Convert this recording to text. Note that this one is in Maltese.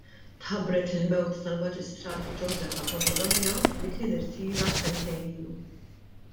Tħabbret il-mewt tal-Maġistrat Joseph Apap Bologna li kien irtira sentejn ilu.